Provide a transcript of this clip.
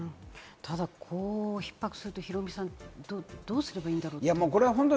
こうひっ迫すると、ヒロミさん、どうすればいいんだろう？